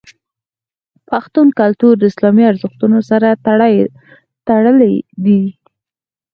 پښتون کلتور د اسلامي ارزښتونو سره تړلی دی.